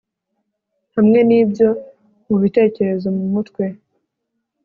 hamwe n'ibyo mu bitekerezo mu mutwe